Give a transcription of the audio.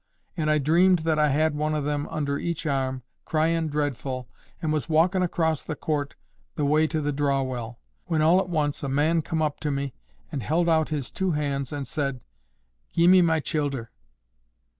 And I dreamed that I had one o' them under each arm, cryin' dreadful, and was walkin' across the court the way to the draw well; when all at once a man come up to me and held out his two hands, and said, 'Gie me my childer.